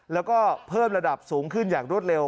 แล้วก็เพิ่มระดับสูงขึ้นอย่างรวดเร็